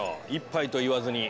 １杯と言わずに。